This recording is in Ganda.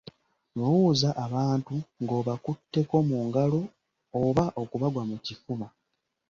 Buuza abantu ng’obakutteko mu ngalo oba okubagwa mu kifuba.